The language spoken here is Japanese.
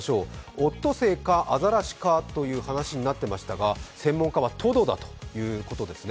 オットセイかアザラシかという話になっていましたが専門家はトドだということですね。